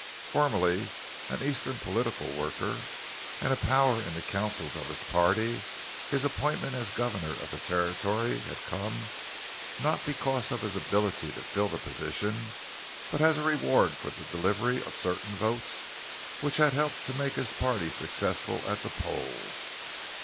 Formerly an eastern political worker, and a power in the councils of his party, his appointment as governor of the Territory had come, not because of his ability to fill the position, but as a reward for the delivery of certain votes which had helped to make his party successful at the polls.